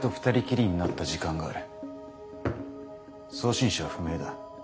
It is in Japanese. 送信者は不明だ。